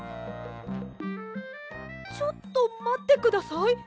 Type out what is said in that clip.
ちょっとまってください。